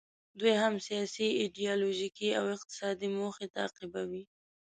دوی هم سیاسي، ایډیالوژیکي او اقتصادي موخې تعقیبوي.